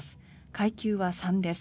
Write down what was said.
階級は３です。